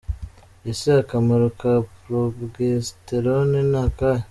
Ese akamaro ka progesterone ni akahe?.